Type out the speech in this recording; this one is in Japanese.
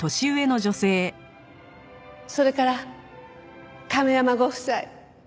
それから亀山ご夫妻。